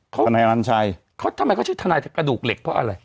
เขาทนายอนัญชัยเขาทำไมเขาชื่อทนายแต่กระดูกเหล็กเพราะอะไร